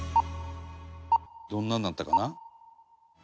「どんなになったかな？」